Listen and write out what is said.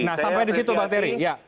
nah sampai di situ bang terry